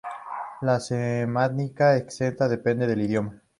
La semántica exacta depende del idioma.